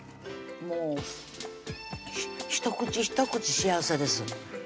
もうひと口ひと口幸せです